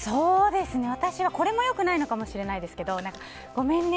私はこれもよくないのかもしれないけどごめんね。